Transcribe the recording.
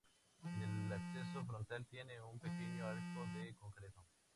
En el acceso frontal tiene un pequeño arco de concreto.